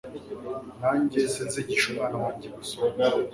Nanjye sinzigisha umwana wanjye gusoma